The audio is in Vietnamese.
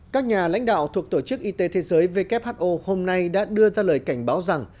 các nhà lãnh đạo thuộc tổ chức y tế thế giới who hôm nay đã đưa ra lời cảnh báo rằng